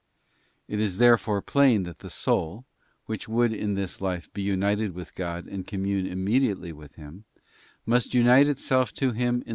_ It is therefore plain that the soul, which would in this life Ried 'ith God: dnd ccmoume: inimeiiately with: His; must unite itself to Him in.